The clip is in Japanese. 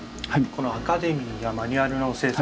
このアカデミーがマニュアルの制作。